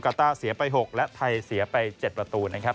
ต้าเสียไป๖และไทยเสียไป๗ประตูนะครับ